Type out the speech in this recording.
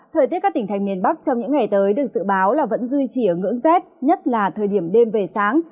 thời tiết các tỉnh thành miền bắc trong những ngày tới được dự báo là vẫn duy trì ở ngưỡng rét nhất là thời điểm đêm về sáng